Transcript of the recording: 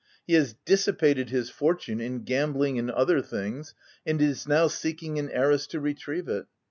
He has dissipated his fortune OF WILDFELL HALL. 5* in gambling and other things, and is now seek ing an heiress to retrieve it.